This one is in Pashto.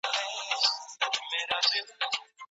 د ارغنداو سیند وچ نه دی.